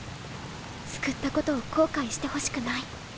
救ったことを後悔してほしくない。